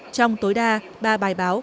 trong tối đa ba bài báo